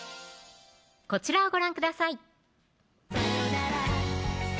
こちらをご覧ください